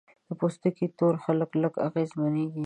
د پوستکي تور خلک لږ اغېزمنېږي.